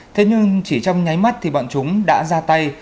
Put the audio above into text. thế nhưng chỉ trong nháy mắt thì bọn chúng đã ra tay